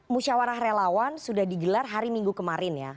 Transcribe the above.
musyawarah relawan sudah digelar hari minggu kemarin ya